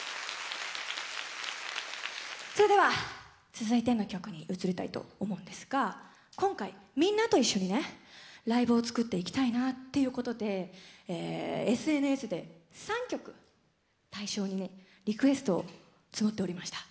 では、続いての曲に移りたいと思うんですが今回、みんなと一緒にライブを作っていきたいなということでＳＮＳで３曲対象にリクエストを募っておりました。